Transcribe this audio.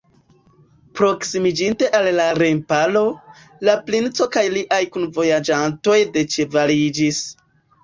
Proksimiĝinte al la remparo, la princo kaj liaj kunvojaĝantoj deĉevaliĝis.